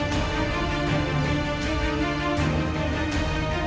โปรดติดตามตอนต่อไป